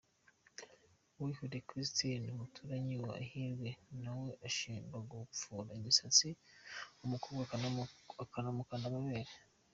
Uwihoreye Christine umuturanyi wa Ihirwe, nawe ushinjwa gupfura imisatsi uwo mukobwa akanamukanda amabere.